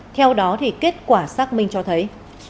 theo đó kết quả xác minh cho thấy